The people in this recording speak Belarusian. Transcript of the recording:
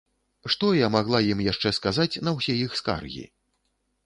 Што я магла ім яшчэ сказаць на ўсе іх скаргі?